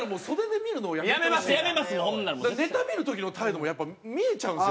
見る時の態度もやっぱ見えちゃうんですよ。